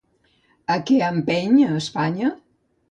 A què empeny a Espanya?